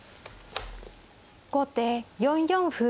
後手４四歩。